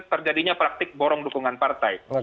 terjadinya praktik borong dukungan partai